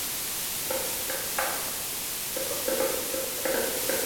د اسرې ځای مو هم ته یې ای محمده.